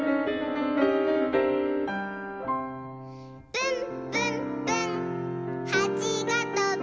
「ぶんぶんぶんはちがとぶ」